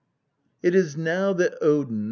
It is now that Odin (st.